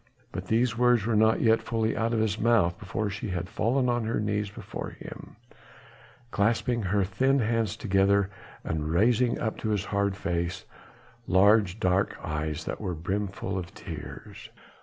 But these words were not yet fully out of his mouth, before she had fallen on her knees before him, clasping her thin hands together and raising up to his hard face large, dark eyes that were brimful of tears.